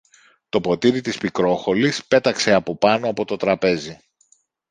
το ποτήρι της Πικρόχολης πέταξε από πάνω από το τραπέζι